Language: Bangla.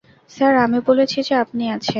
স্যার, আমি বলেছি যে আপনি আছেন।